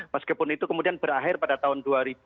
meskipun itu kemudian berakhir pada tahun dua ribu dua